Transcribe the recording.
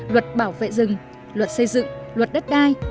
luật bảo vệ rừng luật xây dựng luật đất đai